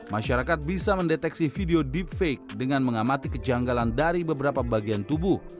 masyarakat bisa mendeteksi video deepfake dengan mengamati kejanggalan dari beberapa bagian tubuh